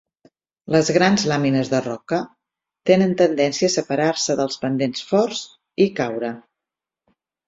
Les grans làmines de roca tenen tendència a separar-se dels pendents forts i caure.